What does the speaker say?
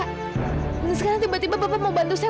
dan sekarang tiba tiba bapak mau bantu saya